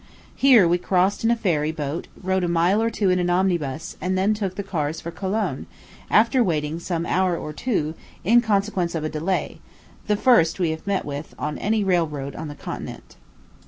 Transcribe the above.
Here we crossed in a ferry boat, rode a mile or two in an omnibus, and then took the cars for Cologne, after waiting some hour or two, in consequence of a delay the first we have met with on any railroad on the continent.